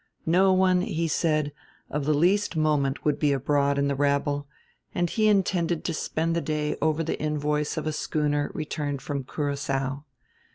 No one, he said, of the least moment would be abroad in the rabble; and he intended to spend the day over the invoice of a schooner returned from Curaçao.